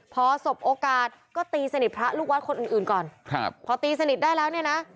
พอสบโอกาสก็ตีสนิทพระลูกวัดคนอื่นอื่นก่อนครับพอตีสนิทได้แล้วเนี่ยนะ